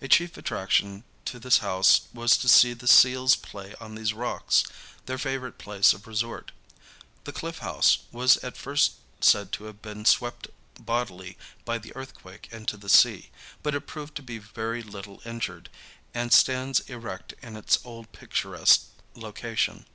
A chief attraction to this house was to see the seals play on these rocks, their favorite place of resort. The Cliff House was at first said to have been swept bodily by the earthquake into the sea, but it proved to be very little injured, and stands erect in its old picturesque location.